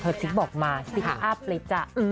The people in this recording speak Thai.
เคยซิกบอกมาซิกอัพเลยจ้ะ